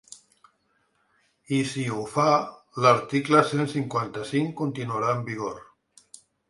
I si ho fa, l’article cent cinquanta-cinc continuarà en vigor.